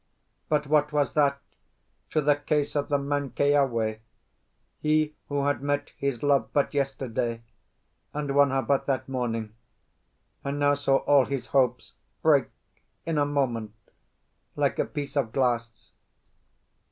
But what was that to the case of the man Keawe, he who had met his love but yesterday, and won her but that morning, and now saw all his hopes break, in a moment, like a piece of glass?